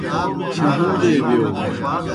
چھہُوݩدے بِیو۔